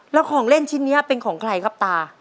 แล้วของเล่นชิ้นนี้เป็นของใครครับตา